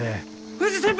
藤先輩！